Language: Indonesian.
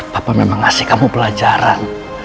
papa memang ngasih kamu pelajaran